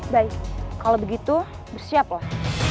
baik kalau begitu bersiaplah